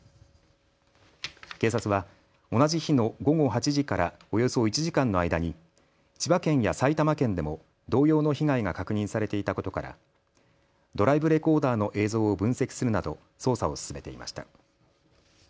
警察は同じ日の午後８時からおよそ１時間の間に千葉県や埼玉県でも同様の被害が確認されていたことからドライブレコーダーの映像を分析するなど捜査を進めていました。